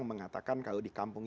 karena ada yang korban